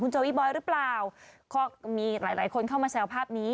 คุณโจยีบอยหรือเปล่าเขามีหลายคนเข้ามาแซวภาพนี้